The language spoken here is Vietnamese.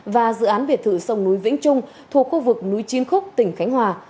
và dự án biệt thự sông núi vĩnh trung thuộc khu vực núi chim khúc tỉnh khánh hòa